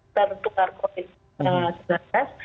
untuk melakukan covid sembilan belas